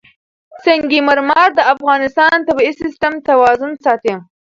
سنگ مرمر د افغانستان د طبعي سیسټم توازن ساتي.